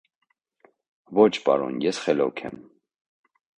- Ոչ, պարոն, ես խելոք եմ.